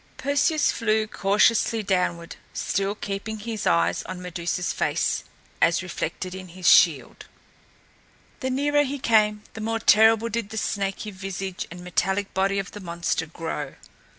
Perseus flew cautiously downward, still keeping his eyes on Medusa's face, as reflected in his shield. The nearer he came, the more terrible did the snaky visage and metallic body of the monster grow.